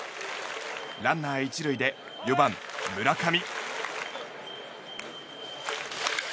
ランナー１塁で４番、村上。